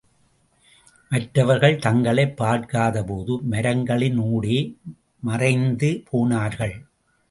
மற்றவர்கள் தங்களைப் பார்க்காத போது மரங்களினூடே மறைந்து போனார்கள்.